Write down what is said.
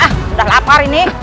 sudah lapar ini